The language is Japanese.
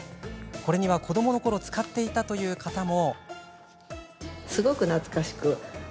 これには子どものころ使っていたという方も。